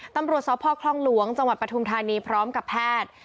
ตำรวจสพคลองหลวงจังหวัดปฐุมธานีพร้อมกับแพทย์